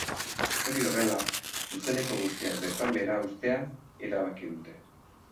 Hori horrela, zuzeneko guztiak bertan behera uztea erabaki dute.